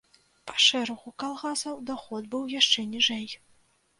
Па шэрагу калгасаў даход быў яшчэ ніжэй.